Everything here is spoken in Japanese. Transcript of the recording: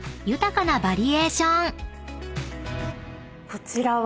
こちらは。